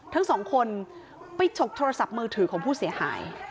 ทั้งสองคนไปจบโทรศัพท์วิมพิโรคมือผู้เสียหาย